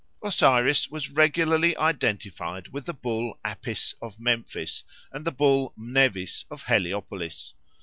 Osiris was regularly identified with the bull Apis of Memphis and the bull Mnevis of Heliopolis.